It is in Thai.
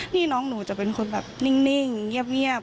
นี่น้องหนูจะเป็นคนแบบนิ่งเงียบ